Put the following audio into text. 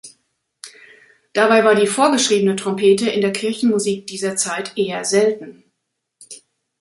Dabei war die vorgeschriebene Trompete in der Kirchenmusik dieser Zeit eher selten.